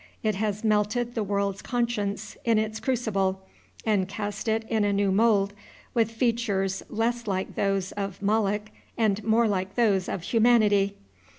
It has melted the world's conscience in its crucible, and cast it in a new mould, with features less like those of Moloch and more like those of humanity.